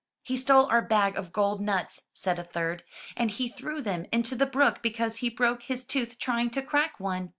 He stole our bag of gold nuts/' said a third, *'and he threw them into the brook because he broke his tooth trying to crack one."